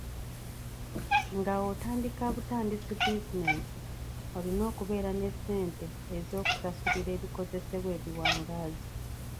Nga otandika butandisi bizinensi, olina okubeera ne ssente ez’okusasulira ebikozesebwa ebiwangaazi.